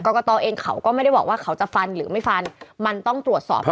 กตเองเขาก็ไม่ได้บอกว่าเขาจะฟันหรือไม่ฟันมันต้องตรวจสอบ